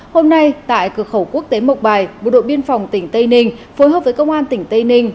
hôm nay tại cửa khẩu quốc tế mộc bài bộ đội biên phòng tỉnh tây ninh phối hợp với công an tỉnh tây ninh